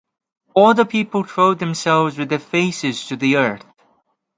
All the people throw themselves with their faces to the earth.